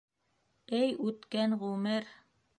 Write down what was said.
Эй, үткән ғүмер!